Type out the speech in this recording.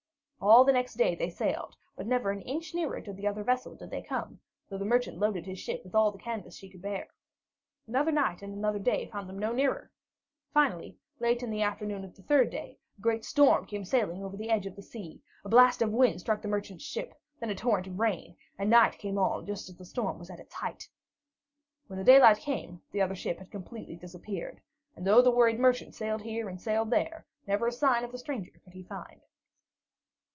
All the next day they sailed, but never an inch nearer to the other vessel did they come, though the merchant loaded his ship with all the canvas she could bear. Another night and another day found them no nearer. Finally, late in the afternoon of the third day, a great storm came sailing over the edge of the sea; a blast of wind struck the merchant's ship, then a torrent of rain, and night came on just as the storm was at its height. When the daylight came again, the other ship had completely disappeared; and though the worried merchant sailed here and sailed there, never a sign of the stranger could he find.